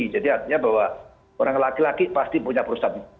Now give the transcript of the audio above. jadi artinya bahwa orang laki laki pasti punya prostat